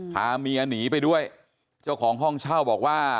พาเมียหนีไปด้วยเจ้าของห้องเช่าบอกว่า